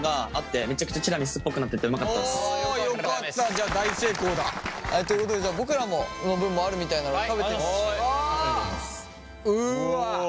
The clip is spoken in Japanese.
じゃあ大成功だ！ということでじゃあ僕らの分もあるみたいなので食べてみましょう。